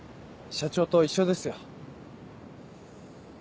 社長と一緒ですよ。